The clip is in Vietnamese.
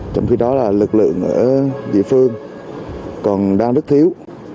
trong khi đó là lực lượng ở địa phương còn đang rất thiếu